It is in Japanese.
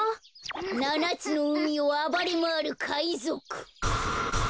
ななつのうみをあばれまわるかいぞく